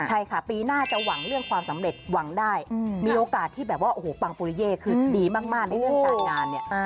ใช่ค่ะปีหน้าจะหวังเรื่องความสำเร็จหวังได้มีโอกาสที่แบบว่าโอ้โหปังปุริเย่คือดีมากในเรื่องการงานเนี่ย